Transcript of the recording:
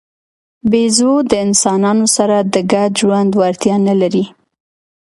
بیزو د انسانانو سره د ګډ ژوند وړتیا نه لري.